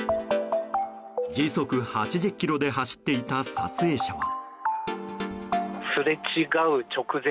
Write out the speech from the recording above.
時速８０キロで走っていた撮影者は。